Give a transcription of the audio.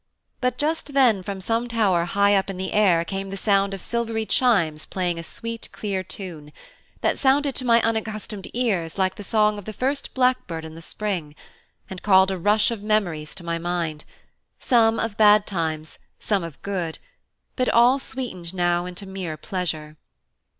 But just then from some tower high up in the air came the sound of silvery chimes playing a sweet clear tune, that sounded to my unaccustomed ears like the song of the first blackbird in the spring, and called a rush of memories to my mind, some of bad times, some of good, but all sweetened now into mere pleasure.